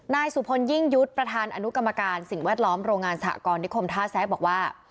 นายสุพนม์ยิ่งยืดพระธารรัฐกรรมการสิ่งแวดล้อมโรงการสหกรณีคมทหารทรัศน์แซ่บอกว่า